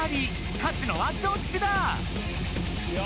勝つのはどっちだ⁉いくよ！